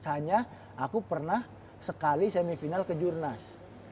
hanya aku pernah sekali semifinal ke jurnas